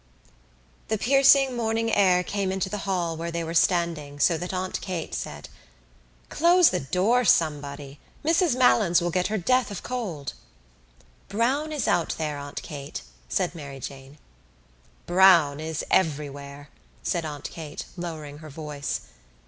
The piercing morning air came into the hall where they were standing so that Aunt Kate said: "Close the door, somebody. Mrs Malins will get her death of cold." "Browne is out there, Aunt Kate," said Mary Jane. "Browne is everywhere," said Aunt Kate, lowering her voice.